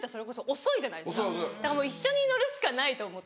・遅い遅い・もう一緒に乗るしかないと思って。